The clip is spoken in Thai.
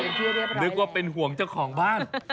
นึกว่าเป็นห่วงเจ้าของบ้าน